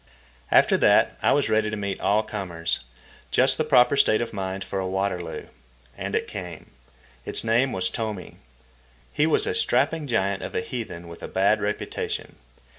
After that I was ready to meet all comers—just the proper state of mind for a Waterloo. And it came. Its name was Tomi. He was a strapping giant of a heathen with a bad reputation.